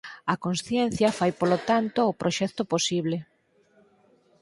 A consciencia fai polo tanto o proxecto posible.